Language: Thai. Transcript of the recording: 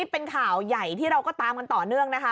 เป็นข่าวใหญ่ที่เราก็ตามกันต่อเนื่องนะคะ